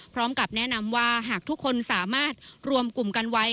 พร้อมกับแนะนำว่าหากทุกคนสามารถรวมกลุ่มกันไว้